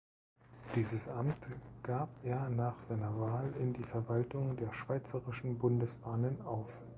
Dieses Amt gab er nach seiner Wahl in die Verwaltung der Schweizerischen Bundesbahnen auf.